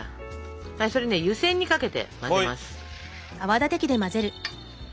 それね湯せんにかけて混ぜます。